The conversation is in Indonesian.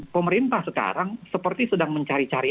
pemerintah sekarang seperti sedang mencari cari